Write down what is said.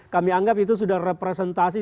kami anggap itu sudah representasi